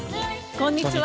こんにちは。